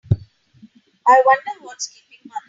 I wonder what's keeping mother?